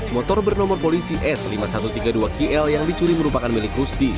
motor bernomor polisi s lima ribu satu ratus tiga puluh dua ql yang dicuri merupakan milik rusdi